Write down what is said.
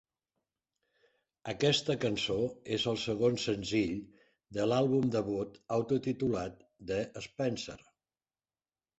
Aquesta cançó és el segon senzill de l'àlbum debut autotitulat de Spencer.